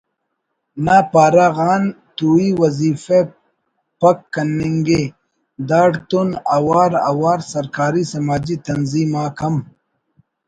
نا پارہ غان توئی وظیفہ پک کننگے داڑتون اَوار اَوار سرکاری سماجی تنظیم آک ہم